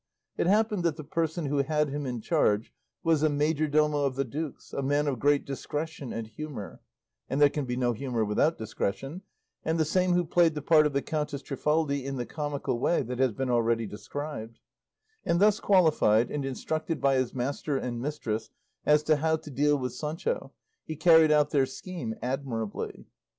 It happened that the person who had him in charge was a majordomo of the duke's, a man of great discretion and humour and there can be no humour without discretion and the same who played the part of the Countess Trifaldi in the comical way that has been already described; and thus qualified, and instructed by his master and mistress as to how to deal with Sancho, he carried out their scheme admirably.